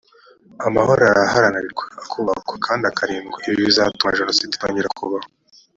amahoro araharanirwa akubakwa kandi akarindwa ibi bizatuma jenoside itongera kubaho